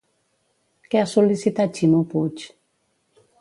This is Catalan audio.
Què ha sol·licitat Ximo Puig?